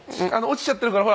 落ちちゃってるから。